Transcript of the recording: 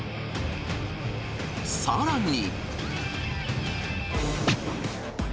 さらに。